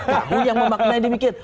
kamu yang memaknai demikian